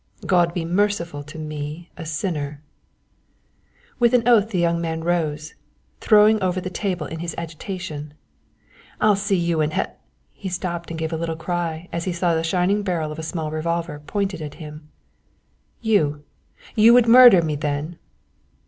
God be merciful to me a sinner_.'" With an oath the young man rose, throwing over the table in his agitation. "I'll see you in he " He stopped and gave a little cry as he saw the shining barrel of a small revolver pointed at him. "You you would murder me, then?"